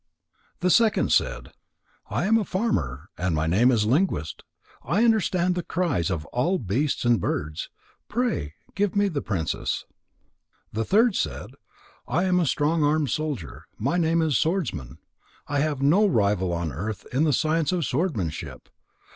The second said: "I am a farmer, and my name is Linguist. I understand the cries of all beasts and birds. Pray give me the princess." The third said: "I am a strong armed soldier, and my name is Swordsman. I have no rival on earth in the science of swordsmanship.